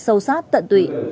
sâu sát tận tụy